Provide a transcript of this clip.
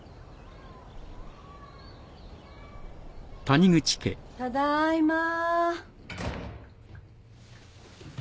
・ただいま。